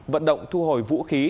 vận động thu hồi vũ khí